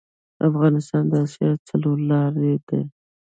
افغانستان د اسیا څلور لارې ده